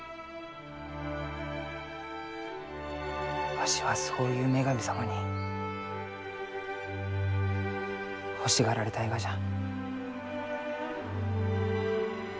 わしはそういう女神様に欲しがられたいがじゃ。